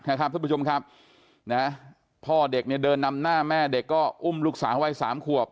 ท่านผู้ชมครับนะพ่อเด็กเนี่ยเดินนำหน้าแม่เด็กก็อุ้มลูกสาววัยสามขวบ